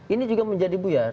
ini juga menjadi buyar